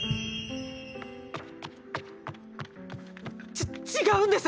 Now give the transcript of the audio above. ち違うんです！